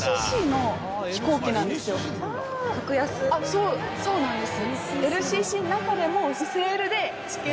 そうそうなんです。